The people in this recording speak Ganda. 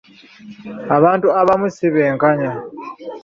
Abantu abamu si benkanya.